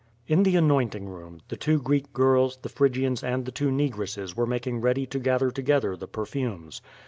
In the anointing room, the two Greek girls, the Phrygians and the tn'o negresses were making ready to gather together the perfumes.